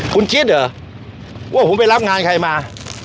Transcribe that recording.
คุณคิดเหรอว่าผมไปรับงานใครมา